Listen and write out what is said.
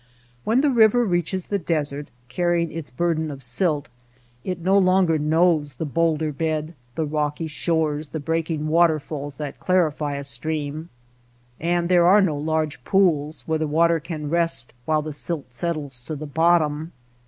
When the river reaches the desert carrying its burden of silt, it no longer knows the bowlder bed, the rocky shores, the breaking waterfalls that clarify a stream. And there are no large pools where the water can rest while the silt settles to the bottom.